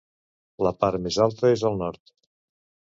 La part més alta és al nord.